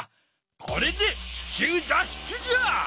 これで地球脱出じゃ！